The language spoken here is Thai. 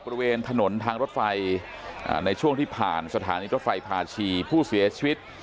บริเวณถนนทางรถไฟในช่วงที่ผ่านสถานีรถไฟพาชีผู้เสียชีวิต